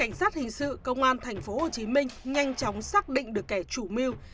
tuy nhiên sau khi vụ án xảy ra phòng cảnh sát hình sự công an tp hcm nhanh chóng xác định được kẻ chủ mưu